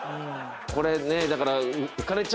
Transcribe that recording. これねだから。